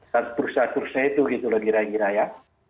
dan perusahaan perusahaan itu gitu lah kira kira ya